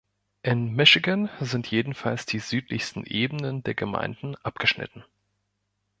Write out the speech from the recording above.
In Michigan sind jedenfalls die südlichsten Ebenen der Gemeinden abgeschnitten.